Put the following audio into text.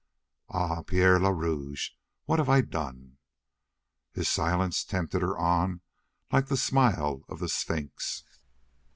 "Ah, Pierre le Rouge, what have I done?" His silence tempted her on like the smile of the sphinx.